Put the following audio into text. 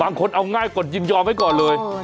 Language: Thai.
บางคนเอาง่ายกดยินยอมไว้ก่อนเลย